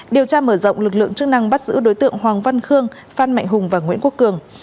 điều tra mở rộng lực lượng chức năng bắt giữ đối tượng hoàng văn khương phan mạnh hùng và nguyễn quốc cường